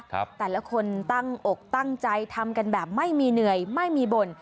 แต่ละคนตั้งอกตั้งใจทำกันแบบไม่มีเหนื่อยไม่มีบ่น